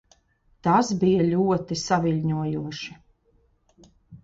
Tas bija ļoti saviļņojoši.